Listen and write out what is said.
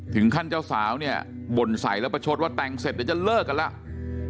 เจ้าสาวเนี่ยบ่นใส่แล้วประชดว่าแต่งเสร็จเดี๋ยวจะเลิกกันแล้ว